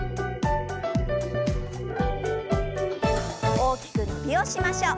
大きく伸びをしましょう。